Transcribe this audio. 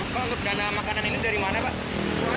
pak untuk dana makanan ini dari mana pak